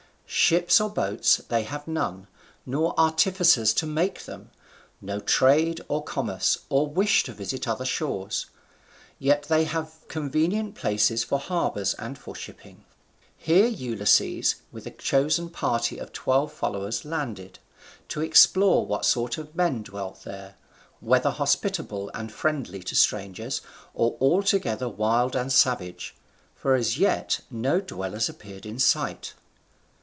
Ships or boats they have none, nor artificers to make them, no trade or commerce, or wish to visit other shores; yet they have convenient places for harbours and for shipping. Here Ulysses with a chosen party of twelve followers landed, to explore what sort of men dwelt there, whether hospitable and friendly to strangers, or altogether wild and savage, for as yet no dwellers appeared in sight.